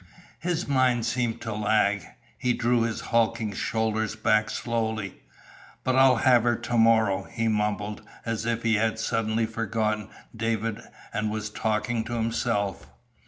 His mind seemed to lag. He drew his hulking shoulders back slowly. "But I'll have her to morrow," he mumbled, as if he had suddenly forgotten David and was talking to himself.